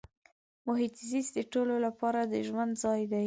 محیط زیست د ټولو لپاره د ژوند ځای دی.